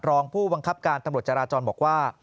รองผู้บังคับการตำรวจจราจรบอกว่า